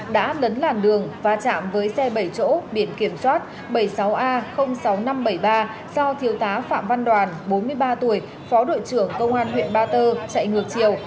đã lấn làn đường va chạm với xe bảy chỗ biển kiểm soát bảy mươi sáu a sáu nghìn năm trăm bảy mươi ba do thiếu tá phạm văn đoàn bốn mươi ba tuổi phó đội trưởng công an huyện ba tơ chạy ngược chiều